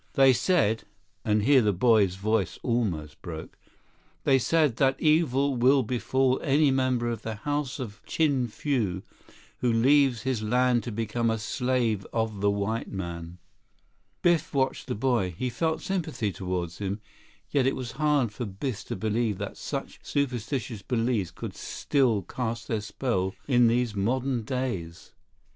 They said"—and here the boy's voice almost broke—"they said that evil will befall any member of the House of Chin Fu who leaves his land to become a slave of the white man." Biff watched the boy. He felt sympathy toward him, yet it was hard for Biff to believe that such superstitious beliefs could still cast their spell in these modern days.